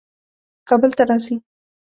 کابل ته راسي.